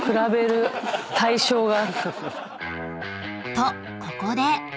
［とここで］